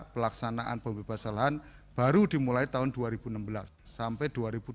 pelaksanaan pembebasan lahan baru dimulai tahun dua ribu enam belas sampai dua ribu dua puluh